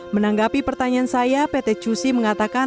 menanggapi pertanyaan saya pt cusi mengatakan